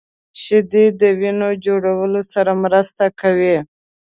شیدې د وینې جوړولو سره مرسته کوي